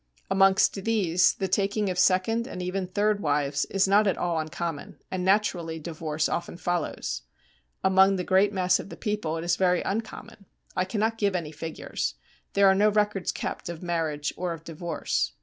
Amongst these, the taking of second, and even third, wives is not at all uncommon, and naturally divorce often follows. Among the great mass of the people it is very uncommon. I cannot give any figures. There are no records kept of marriage or of divorce.